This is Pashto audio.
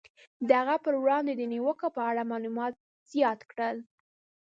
د هغه پر وړاندې د نیوکو په اړه معلومات زیات کړل.